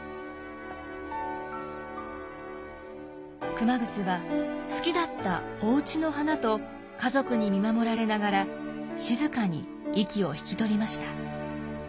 熊楠は好きだったオウチの花と家族に見守られながら静かに息を引き取りました。